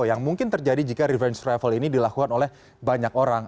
yang mungkin terjadi jika revenge travel ini dilakukan oleh banyak orang